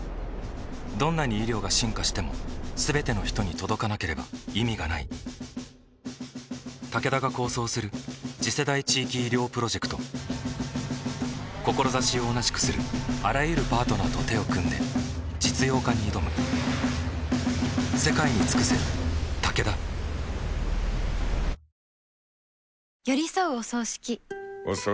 どんなに医療が進化しても全ての人に届かなければ意味がないタケダが構想する次世代地域医療プロジェクト志を同じくするあらゆるパートナーと手を組んで実用化に挑むあっ！